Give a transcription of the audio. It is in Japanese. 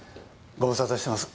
ご無沙汰してます